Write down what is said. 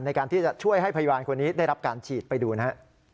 ในการที่จะช่วยให้พยาบาลคนนี้ได้รับการฉีดไปดูนะฮะ